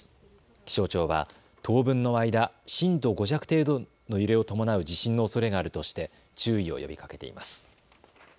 気象庁は当分の間、震度５弱程度の揺れを伴う地震のおそれがあるとして注意を呼びかけています。